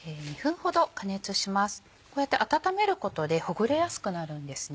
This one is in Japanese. こうやって温めることでほぐれやすくなるんですね。